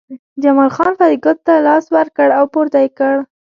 جمال خان فریدګل ته لاس ورکړ او پورته یې کړ